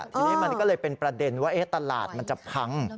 ทีนี้มันก็เลยเป็นประเด็นว่าตลาดมันจะพัง